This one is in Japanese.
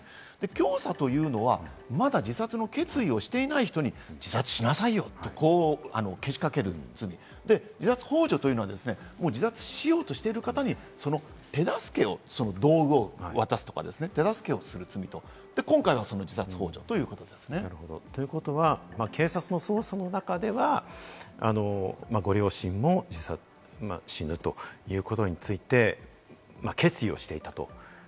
教唆というのは、まだ自殺の決意をしていない人に自殺しなさいよと、けしかけるもの、自殺ほう助というのは自殺しようとしている方に、その手助けを道具を渡すとか、手助けをする罪と、今回はその自警察の捜査の中では、ご両親が死ぬということについて、決意をしていたと。